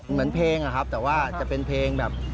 เหมือนเพลงอะครับแต่ว่าจะเป็นเพลงแบบ